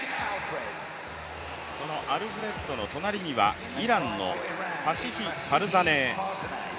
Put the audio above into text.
このアルフレッドの隣にはイランのファシヒ・ファルザネー。